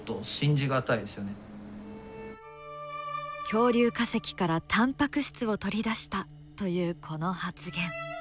恐竜化石からタンパク質を取り出したというこの発言。